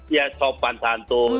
ya sopan santun